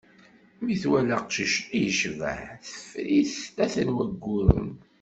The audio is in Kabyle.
Mi twala aqcic-nni, yecbeḥ, teffer-it tlata n wagguren.